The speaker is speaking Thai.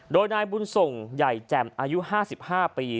โดยนายบุญส่งใหญ่แจ่มอายุ๕๕ปี